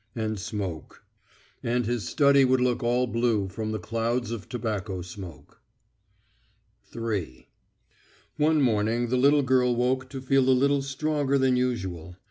and smoke. And his study would look all blue from the clouds of tobacco smoke. III One morning the little girl woke to feel a little stronger than usual.